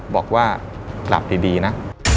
บอกว่าหลับดีนะ